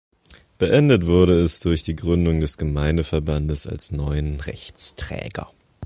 Beendet wurde es durch die Gründung des Gemeindeverbandes als neuen Rechtsträger.